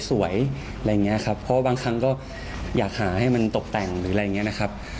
อะไรอย่างเงี้ยครับเพราะบางครั้งก็อยากหาให้มันตกแต่งหรืออะไรอย่างนี้นะครับ